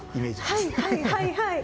はいはいはいはい！